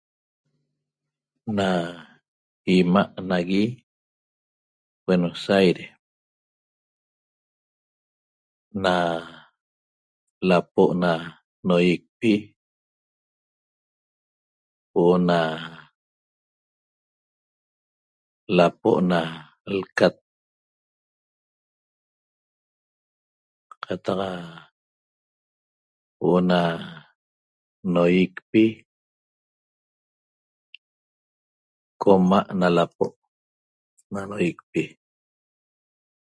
Na 'ima' nagui Buenos Aires na lapo' na noýicpi huo'o na lapo' na lcat qataq huo'o na noýicpi coma' na lapo' na noýicpi